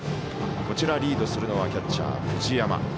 リードするのはキャッチャー藤山。